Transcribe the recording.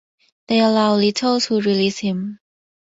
They allow Lito to release him.